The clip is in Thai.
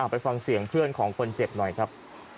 ไปฟังเสียงเพื่อนของคนเจ็บหน่อยครับ